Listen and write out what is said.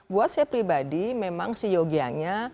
buat saya pribadi memang si yogianya